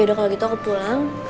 yaudah kalo gitu aku pulang